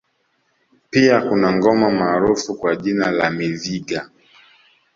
Pia kuna ngoma maarufu kwa jina la Miviga